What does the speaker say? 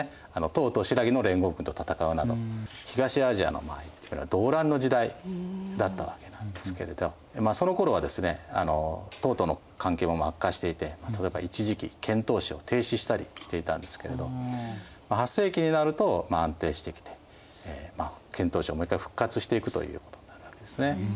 唐と新羅の連合軍と戦うなど東アジアのまあ言ってみれば動乱の時代だったわけなんですけれどそのころはですね唐との関係も悪化していて例えば一時期遣唐使を停止したりしていたんですけれど８世紀になると安定してきて遣唐使をもう一回復活していくということになるわけですね。